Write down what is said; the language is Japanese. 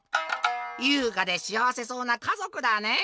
「ゆうがでしあわせそうな家族だねぇ。